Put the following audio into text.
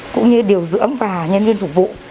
cũng như điều dưỡng và nhân viên phục vụ